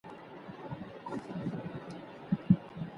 د کابل سیند تل روان نه وي.